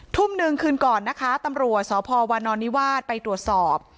ทุ่มหนึ่งคืนก่อนนะคะตำรวจสพวานอนนิวาสไปตรวจสอบ